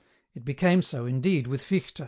It became so, indeed, with Fichte.